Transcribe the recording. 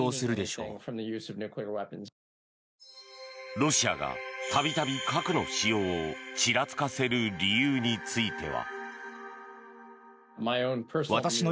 ロシアが度々、核の使用をちらつかせる理由については。